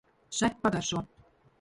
Še, pagaršo!